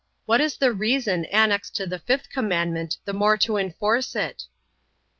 What is the reason annexed to the fifth commandment, the more to enforce it? A.